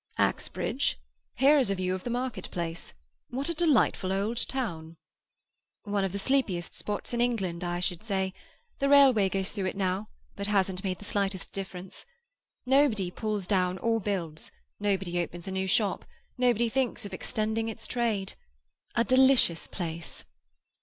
"Axbridge? Here is a view of the market place. What a delightful old town!" "One of the sleepiest spots in England, I should say. The railway goes through it now, but hasn't made the slightest difference. Nobody pulls down or builds; nobody opens a new shop; nobody thinks of extending his trade. A delicious place!"